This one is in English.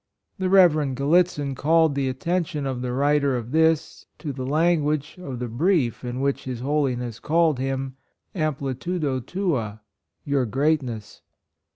The Reverend Grallitzin called the attention of the writer of this to the language of the Brief in which His Holiness called him —" amplitudo tua" — your greatness.